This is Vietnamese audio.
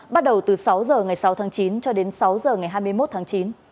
bắt đầu từ sáu giờ ngày sáu tháng chín cho đến sáu giờ ngày hai mươi một tháng chín